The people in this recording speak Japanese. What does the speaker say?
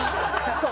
そう。